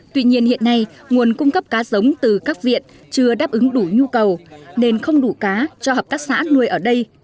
tuy nhiên hiện nay nguồn cung cấp cá giống từ các viện chưa đáp ứng đủ nhu cầu nên không đủ cá cho hợp tác xã nuôi ở đây